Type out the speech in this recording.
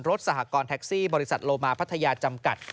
สหกรณ์แท็กซี่บริษัทโลมาพัทยาจำกัด